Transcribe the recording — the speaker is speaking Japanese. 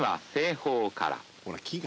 「ほら木が」